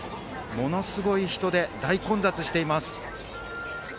ものすごい人で、大混雑しています。